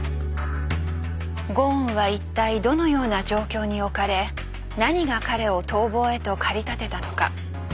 ゴーンは一体どのような状況に置かれ何が彼を逃亡へと駆り立てたのか？